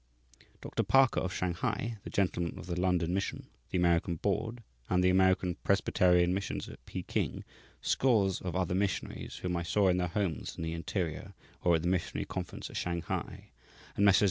Dr. Parker, of Shanghai, the gentlemen of the London Mission, the American Board, and the American Presbyterian Missions at Peking, scores of other missionaries whom I saw in their homes in the interior or at the missionary conference at Shanghai, and Messrs.